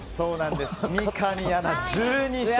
三上アナ、１２勝。